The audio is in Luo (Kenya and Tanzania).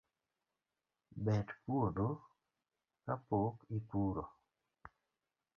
Bet puotho kapok ipuro